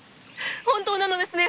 本当なのですね